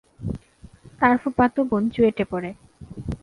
তার ফুফাতো বোন চুয়েটে পড়ে।